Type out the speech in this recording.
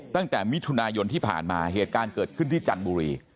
ตั้งแต่มิถุนายนที่ผ่านมาเหตุการณ์เกิดขึ้นที่จันทบุรี